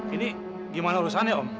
ini gimana urusannya om